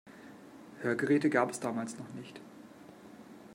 Hörgeräte gab es damals noch nicht.